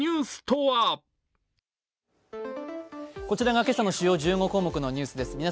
こちらが今朝の主要１５項目のニュースです。